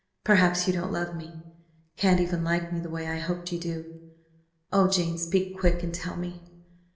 "Perhaps you don't love me can't even like me the way I hoped you do. Oh, Jane, speak quick, and tell me!